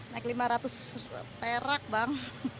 naik lima ratus perak bang